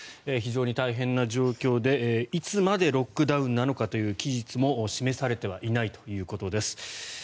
非常に大変な状況でいつまでロックダウンなのかという期日も示されていないということです。